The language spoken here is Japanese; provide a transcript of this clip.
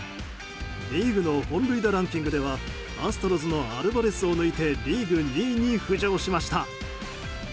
リーグの本塁打ランキングではアストロズのアルバレスを抜いてリーグ２位に浮上しました。